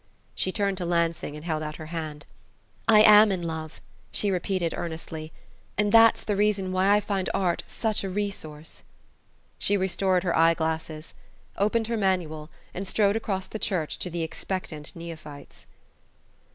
She turned to Lansing and held out her hand. "I am in love," she repeated earnestly, "and that's the reason why I find art such a RE source." She restored her eye glasses, opened her manual, and strode across the church to the expectant neophytes.